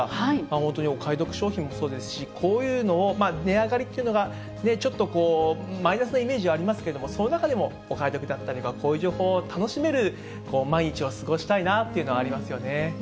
本当にお買い得商品もそうですし、こういうのを値上がりっていうのがちょっとこう、マイナスなイメージはありますけれども、その中でもお買い得だったり、こういう情報を楽しめる毎日を過ごしたいなというのがありますよね。